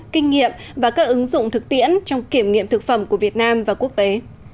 kinh nghiệm và các ứng dụng thực tiễn trong kiểm nghiệm thực phẩm của việt nam và quốc tế